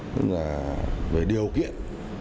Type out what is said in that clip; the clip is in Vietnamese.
đó chính là về điều kiện